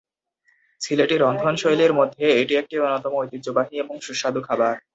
সিলেটি রন্ধনশৈলীর মধ্যে এটি একটি অন্যতম ঐতিহ্যবাহী এবং সুস্বাদু খাবার।